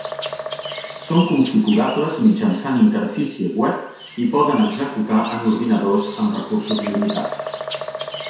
Són configurables mitjançant interfície web i poden executar en ordinadors amb recursos limitats.